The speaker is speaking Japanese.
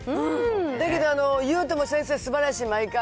だけど、言うても先生、すばらしい、毎回。